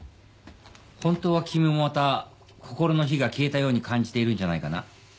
本当は君もまた心の火が消えたように感じているんじゃないかな。